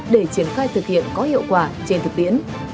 để triển khai thực hiện có hiệu quả trên thực tiễn